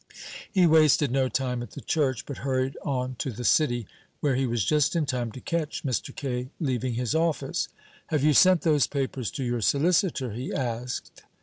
He wasted no time at the church, but hurried on to the City, where he was just in time to catch Mr. Kaye leaving his office. "Have you sent those papers to your solicitor?" he asked.